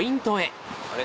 あれ？